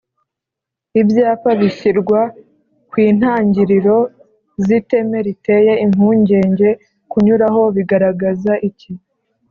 Ibyapa bishyirwa ku intangiriro z’iteme riteye impungenge kunyuraho bigaragaza iki